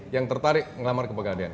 yang tertarik ngelamar ke pegadian